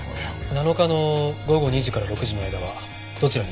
７日の午後２時から６時の間はどちらにいましたか？